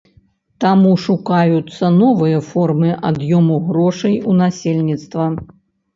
Таму шукаюцца новыя формы ад'ёму грошай у насельніцтва.